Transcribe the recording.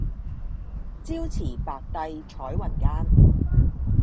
朝辭白帝彩雲間